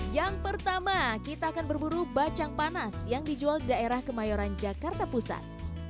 yang pertama kita akan berburu bacang panas yang dijual di daerah kemayoran jakarta pusat